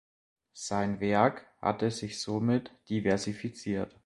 Sein Werk hatte sich somit diversifiziert.